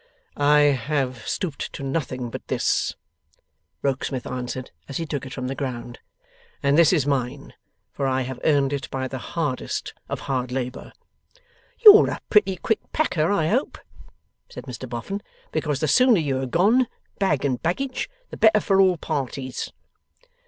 'I have stooped to nothing but this,' Rokesmith answered as he took it from the ground; 'and this is mine, for I have earned it by the hardest of hard labour.' 'You're a pretty quick packer, I hope,' said Mr Boffin; 'because the sooner you are gone, bag and baggage, the better for all parties.